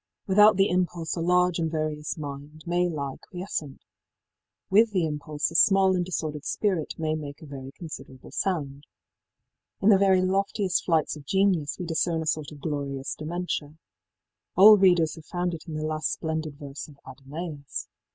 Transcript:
Without the impulse a large and various mind may lie quiescent. With the impulse a small and disordered spirit may make a very considerable sound. In the very loftiest flights of genius we discern a sort of glorious dementia. All readers have found it in the last splendid verse of ëAdonaÔs.